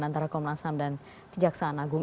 antara komnas ham dan kejaksaan agung